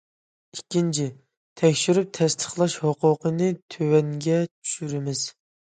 ئىككىنچى، تەكشۈرۈپ تەستىقلاش ھوقۇقىنى تۆۋەنگە چۈشۈرىمىز.